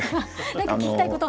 何か聞きたいこと。